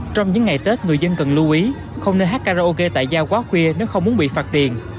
trong những ngày tết người dân cần lưu ý không nên hát karaoke tại giao quá khuya nếu không muốn bị phạt tiền